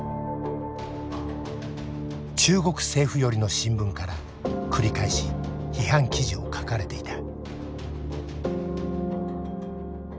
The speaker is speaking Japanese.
中国政府寄りの新聞から繰り返し批判記事を書かれていた。